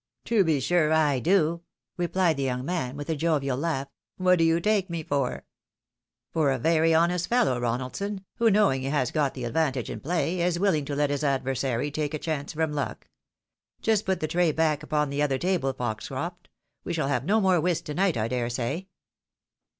" To be sure I do, " rephed the young man, with a jovial laugh. " What do you take me for ?"" For a very honest fellow, Ronaldson, who, knowing he has got the advantage in play, is willing to let his adversary take a chance from luck ! Just put that tray back upon the other table, Foxcroft — we shall have no more whist to night, I dare say."